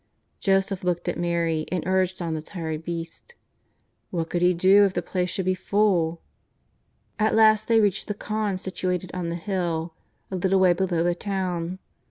Joseph looked at Mary and urged on the tired beast. What could he do if the place should be full? At last they reached the khan, situated on the hill, a little way below the town.